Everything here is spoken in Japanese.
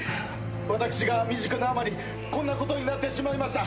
私が未熟なあまりこんなことになってしまいました。